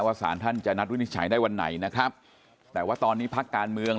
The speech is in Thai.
สารท่านจะนัดวินิจฉัยได้วันไหนนะครับแต่ว่าตอนนี้พักการเมือง